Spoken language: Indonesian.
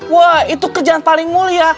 wah itu kerjaan paling mulia